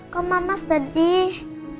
kok mama sedih